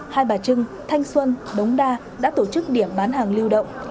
hà trưng thanh xuân đống đa đã tổ chức điểm bán hàng lưu động